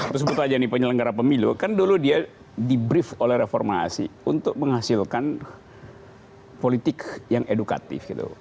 terus sebut aja nih penyelenggara pemilu kan dulu dia di brief oleh reformasi untuk menghasilkan politik yang edukatif gitu